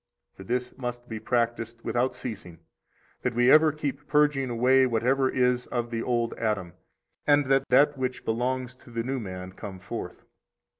For this must be practised without ceasing, that we ever keep purging away whatever is of the old Adam, and that that which belongs to the new man come forth.